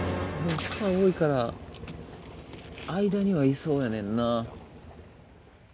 多いから間にはいそうやねんな。